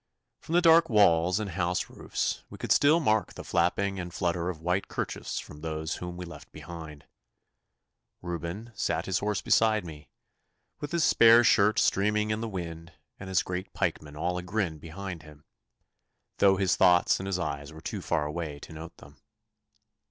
From the dark walls and house roofs we could still mark the flapping and flutter of white kerchiefs from those whom we left behind. Reuben sat his horse beside me, with his spare shirt streaming in the wind and his great pikemen all agrin behind him, though his thoughts and his eyes were too far away to note them.